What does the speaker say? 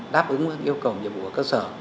đáp ứng yêu cầu nhiệm vụ của cơ sở